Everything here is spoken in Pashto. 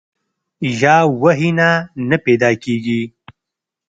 یا وحي نه نۀ پېدا کيږي